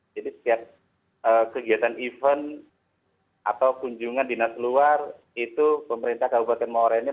jadi setiap kegiatan event atau kunjungan dinas luar itu pemerintah kabupaten morenim